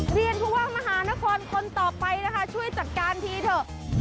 เรียนผู้ว่ามหานครคนต่อไปนะคะช่วยจัดการทีเถอะ